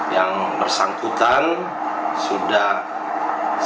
yang bersangkutan sudah selesai